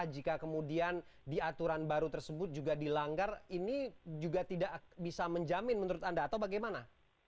jika kemudian di aturan baru tersebut juga dilanggar ini juga tidak bisa menjamin menurut anda atau bagaimana